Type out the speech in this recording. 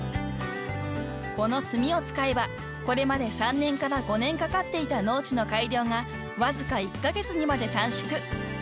［この炭を使えばこれまで３年から５年かかっていた農地の改良がわずか１カ月にまで短縮］